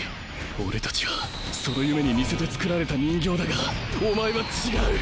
俺たちはその夢に似せて造られた人形だがお前は違う。